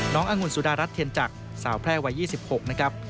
องุ่นสุดารัฐเทียนจักรสาวแพร่วัย๒๖นะครับ